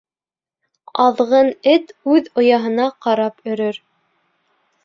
Аҙғын эт үҙ ояһына ҡарап өрөр.